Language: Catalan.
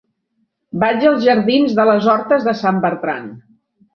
Vaig als jardins de les Hortes de Sant Bertran.